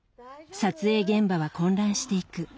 撮影現場は混乱していく。